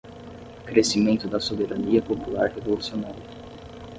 Crescimento da soberania popular revolucionária